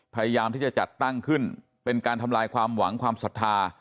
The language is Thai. พยายามที่จะจัดตั้งขึ้นเป็นการทำลายความหวังความศรัทธา